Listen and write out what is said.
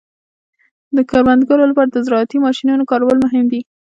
د کروندګرو لپاره د زراعتي ماشینونو کارول مهم دي.